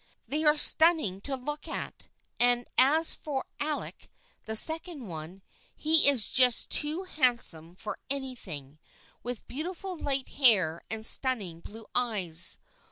They are stunning to look at, and as for Alec, the second one, he is just too handsome for anything, with beautiful light hair and stunning blue eyes.